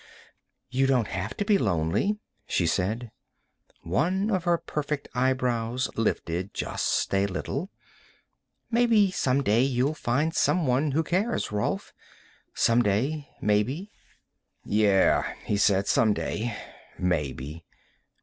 "You don't have to be lonely," she said. One of her perfect eyebrows lifted just a little. "Maybe someday you'll find someone who cares, Rolf. Someday, maybe." "Yeah," he said. "Someday, maybe."